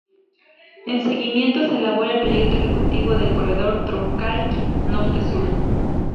En seguimiento se elabora el Proyecto Ejecutivo del Corredor Troncal Norte-Sur.